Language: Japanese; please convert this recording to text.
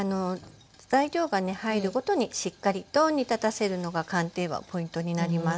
材料がね入るごとにしっかりと煮立たせるのが寒天はポイントになります。